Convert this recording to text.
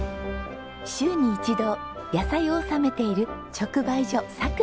週に一度野菜を納めている直売所さくらです。